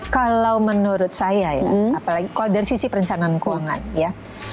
kalau menurut saya ya apalagi kalau dari sisi perencanaan keuangan ya